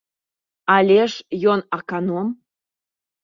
Але ж, ён, аканом.